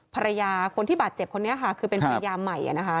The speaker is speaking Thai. ภรรยาคนที่บาดเจ็บคนนี้ค่ะคือเป็นภรรยาใหม่นะคะ